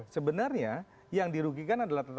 sebenarnya yang dirugikan adalah